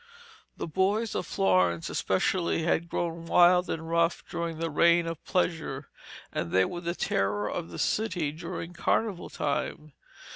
The boys of Florence especially had grown wild and rough during the reign of pleasure, and they were the terror of the city during carnival time.